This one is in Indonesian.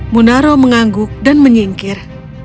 munaro mengangguk dan menyingkir